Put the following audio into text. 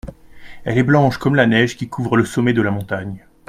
Elle est blanche comme la neige qui couvre le sommet de la montagne.